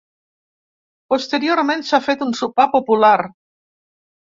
Posteriorment s’ha fet un sopar popular.